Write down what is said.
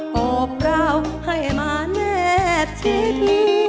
ก็เปล่าให้มาแนบชิด